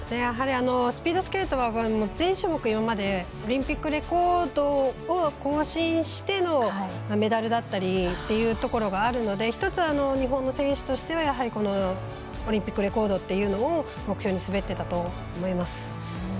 スピードスケートは今までの、どの種目もオリンピックレコードを更新してのメダルだったりということがあるので１つ、日本の選手としてはこのオリンピックレコードを目標に滑ってたと思います。